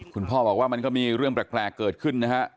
คุณพ่อบอกว่ามันก็มีเรื่องแปลกเกิดขึ้นนะฮะ